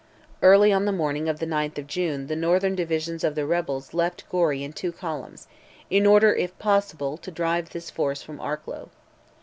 Early on the morning of the 9th of June the northern division of the rebels left Gorey in two columns, in order if possible to drive this force from Arklow.